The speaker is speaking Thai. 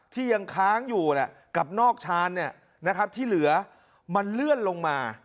ที่ยังค้างอยู่กับนอกชานที่เหลือมันเลื่อนลงมา